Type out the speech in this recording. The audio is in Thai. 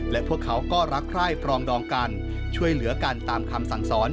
และพวกเขาก็รักใคร่ปรองดองกันช่วยเหลือกันตามคำสั่งสอน